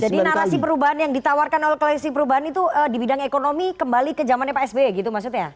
jadi narasi perubahan yang ditawarkan oleh klasi perubahan itu di bidang ekonomi kembali ke zamannya psby gitu maksudnya